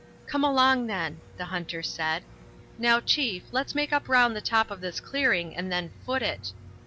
"Come along, then," the hunter said. "Now, chief, let's make up round the top of this clearing and then foot it."